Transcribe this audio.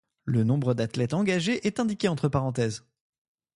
Le nombre d'athlètes engagés est indiqué entre parenthèses.